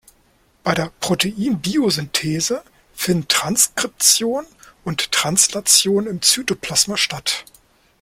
Bei der Proteinbiosynthese finden Transkription und Translation im Zytoplasma statt.